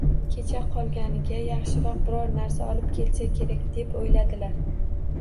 Kech qolganiga yaxshiroq biror narsa olib kelsa kerak, deb o`yladilar